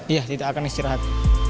iya tidak akan istirahat